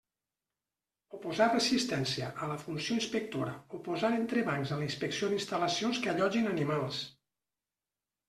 Oposar resistència a la funció inspectora o posar entrebancs a la inspecció d'instal·lacions que allotgin animals.